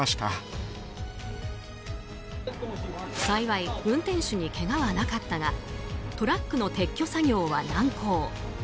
幸い運転手にけがはなかったがトラックの撤去作業は難航。